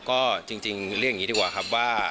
ก็จริงเรียกอย่างนี้ดีกว่าครับว่า